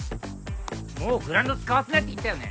もうグラウンド使わせないって言ったよね